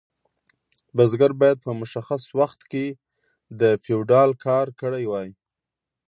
بزګر باید په مشخص وخت کې د فیوډال کار کړی وای.